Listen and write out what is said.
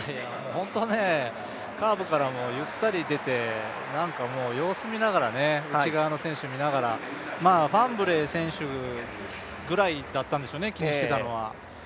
ホント、カーブからもゆったり出て、様子を見ながら内側の選手見ながら、ファンブレー選手ぐらいだったんでしょうね、気にしてたのは。